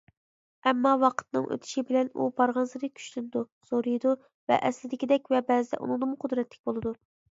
ئەمما، ۋاقىتنىڭ ئۆتۈشى بىلەن ئۇ بارغانسېرى كۈچلىنىدۇ، زورىيىدۇ ۋە ئەسلىدىكىدەك ۋە بەزىدە ئۇنىڭدىنمۇ قۇدرەتلىك بولىدۇ.